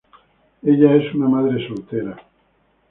Ella es una madre soltera.